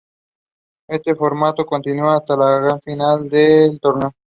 Este formato continua hasta la gran final del torneo.